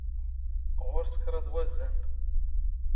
ⵖⵓⵔⵙ ⴽⵕⴰⴹ ⵡⴰⵣⵣⴰⵏⵏ.